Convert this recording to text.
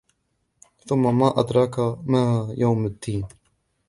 ثم ما أدراك ما يوم الدين